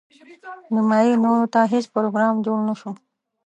نیمايي نورو ته هیڅ پروګرام جوړ نه شو.